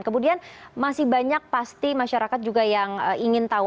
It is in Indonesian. kemudian masih banyak pasti masyarakat juga yang ingin tahu